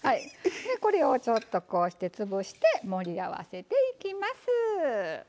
これをちょっとこうして潰して盛り合わせていきます。